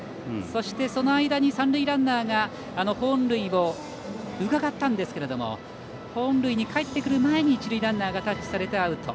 そして、その間に三塁ランナーが本塁をうかがったんですけども本塁にかえってくる前に一塁ランナーがタッチされてアウト。